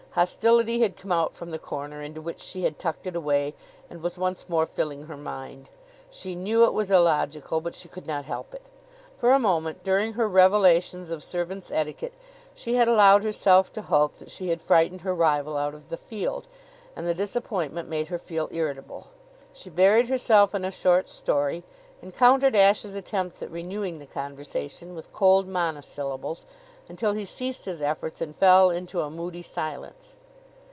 Hostility had come out from the corner into which she had tucked it away and was once more filling her mind. She knew it was illogical, but she could not help it. For a moment, during her revelations of servants' etiquette, she had allowed herself to hope that she had frightened her rival out of the field, and the disappointment made her feel irritable. She buried herself in a short story, and countered Ashe's attempts at renewing the conversation with cold monosyllables, until he ceased his efforts and fell into a moody silence.